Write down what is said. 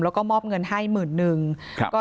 แล้วก็มอบเงินให้๑๐๐๐นทราบ